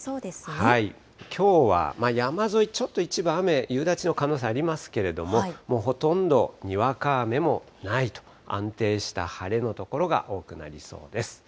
きょうは山沿い、ちょっと一部雨、夕立の可能性ありますけれども、もうほとんどにわか雨もないと、安定した晴れの所が多くなりそうです。